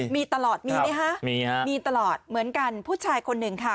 มีตลอดมีนะคะเหมือนกันผู้ชายคนนึงค่ะ